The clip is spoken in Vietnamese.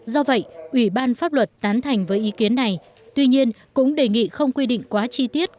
do vậy ủy ban pháp luật tán thành với ý kiến này tuy nhiên cũng đề nghị không quy định quá chi tiết